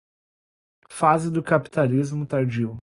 Fase do capitalismo tardio